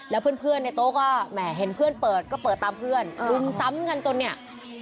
แล้วเพื่อนในโต๊ะก็แหมเห็นเพื่อนเปิดก็เปิดตามเพื่อนรุมซ้ำกันจนเนี่ย